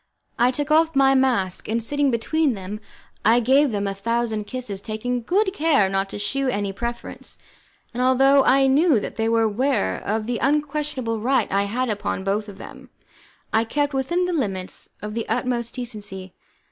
I took off my mask, and sitting between them, I gave them a thousand kisses, taking good care not to shew any preference, and although I knew that they were aware of the unquestionable right I had upon both of them, I kept within the limits of the utmost decency.